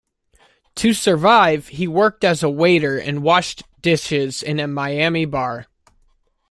To survive, he worked as a waiter and washed dishes in a Miami bar.